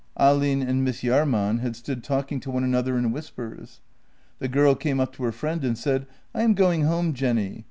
" Ahlin and Miss Jahrman had stood talking to one another in whispers. The girl came up to her friend and said: " I am going home, Jenny.